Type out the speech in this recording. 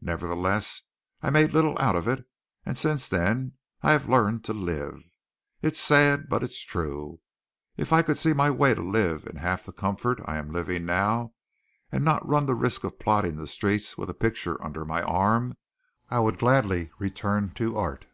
Nevertheless, I made little out of it, and since then I have learned to live. It's sad, but it's true. If I could see my way to live in half the comfort I am living in now and not run the risk of plodding the streets with a picture under my arm, I would gladly return to art.